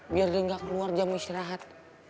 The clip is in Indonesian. biar dia nggak keluar jam istirahat